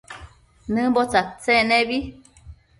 Nëmbo tsadtsec nebi